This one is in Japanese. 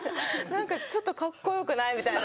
「何かちょっとカッコよくない」みたいな。